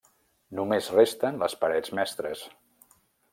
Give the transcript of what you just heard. Només resten les parets mestres.